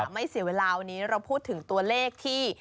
ไม่เสียเวลาวันนี้เราพูดถึงตัวเลขที่